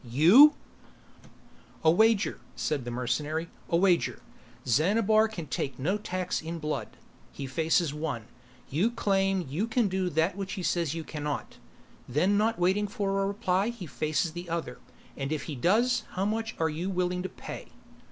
"You " "A wager," said the mercenary. "A wager. Xanabar can take no tax in blood." He faces one. "You claim you can do that which he says you can not." Then not waiting for a reply he faces the other, "And if he does, how much are you willing to pay?"